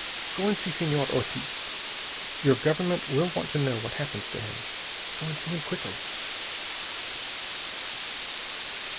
Go and see Senor Ortiz. Your government will want to know what happens to him. Go and see him quickly."